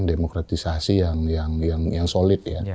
demokratisasi yang solid ya